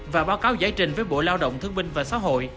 và báo cáo giải trình với bộ lao động thương binh và xã hội